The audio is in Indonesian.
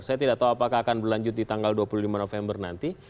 saya tidak tahu apakah akan berlanjut di tanggal dua puluh lima november nanti